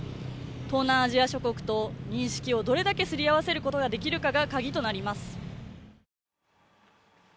東南アジア諸国と認識をどれだけすり合わせられるかがカギとなります。